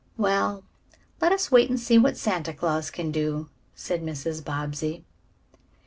"Well, let us wait and see what Santa Claus can do," said Mrs. Bobbsey.